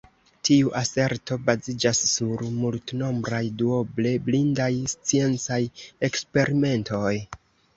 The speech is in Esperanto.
Tiu aserto baziĝas sur multnombraj, duoble blindaj sciencaj eksperimentoj.